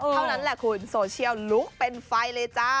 เท่านั้นแหละคุณโซเชียลลุกเป็นไฟเลยจ้า